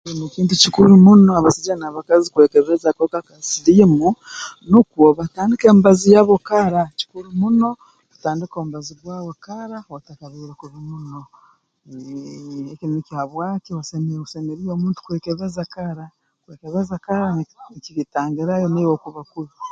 Kintu kikuru muno abasaija n'abakazi okwekebeza akahuka ka siliimu nukwo batandike emibazi yabo kara kikuru muno kutandika omubazi gwawe kara otakabaire kubi muno eehh eki nikyo habwaki basemeriire osemeriire omuntu kwekebeza kara kwekebeza kara nikibutangirayo naiwe kuba kubi